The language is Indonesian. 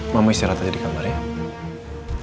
mama istirahat aja di kamar ya